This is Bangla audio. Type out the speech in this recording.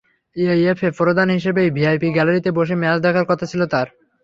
এএফএ প্রধান হিসেবে ভিআইপি গ্যালারিতে বসে ম্যাচ দেখার কথা ছিল তাঁর।